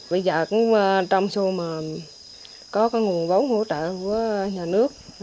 bây giờ cũng trong xô mà có cái nguồn vốn hỗ trợ của nhà nước